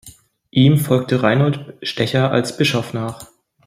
Ihm folgte Reinhold Stecher als Bischof nach.